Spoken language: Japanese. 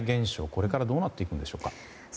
これからどうなっていくんでしょうか。